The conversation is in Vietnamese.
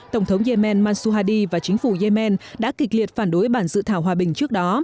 tổng thống yemen masuhadi và chính phủ yemen đã kịch liệt phản đối bản dự thảo hòa bình trước đó